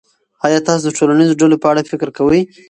آیا تاسو د ټولنیزو ډلو په اړه فکر کوئ.